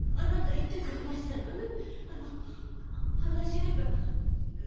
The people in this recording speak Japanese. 言ってくれましたよね？